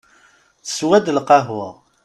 Tessew-d lqahwa.